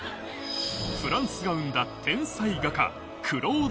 フランスが生んだ天才画家